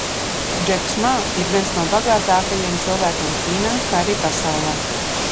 Džeks Ma ir viens no bagātākajiem cilvēkiem Ķīnā, kā arī pasaulē.